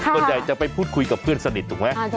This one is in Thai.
ส่วนใหญ่จะไปพูดคุยกับเพื่อนสนิทถูกไหม